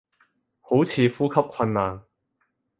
好似呼吸困難